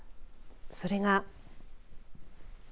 それが。